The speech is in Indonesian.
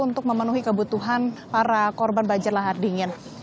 untuk memenuhi kebutuhan para korban banjir lahar dingin